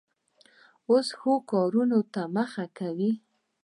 اوس ښو کارونو ته مخه کوي.